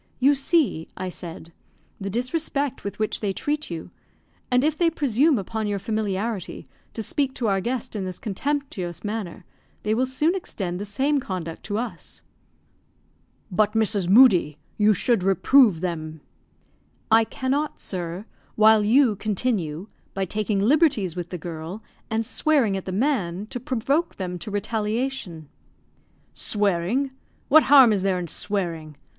"You see," I said, "the disrespect with which they treat you; and if they presume upon your familiarity, to speak to our guest in this contemptuous manner, they will soon extend the same conduct to us." "But, Mrs. Moodie, you should reprove them." "I cannot, sir, while you continue, by taking liberties with the girl, and swearing at the man, to provoke them to retaliation." "Swearing! What harm is there in swearing?